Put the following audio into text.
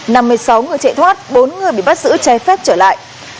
năm mươi sáu người chạy thoát bốn người bị bắt giữ trái phép trở lại